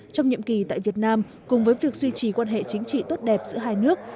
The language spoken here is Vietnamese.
trong nhiệm kỳ tại việt nam cùng với việc duy trì quan hệ chính trị tốt đẹp giữa hai nước